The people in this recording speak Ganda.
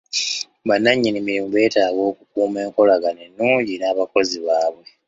Ba nnannyini mirimu betaaga okukuuma enkolagana ennungi n'abakozi baabwe.